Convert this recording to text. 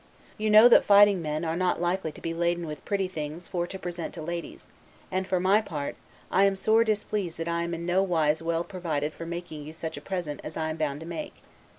You know that fighting men are not likely to be laden with pretty things for to present to ladies; and for my part, I am sore displeased that I am in no wise well provided for making you such present as I am bound to make.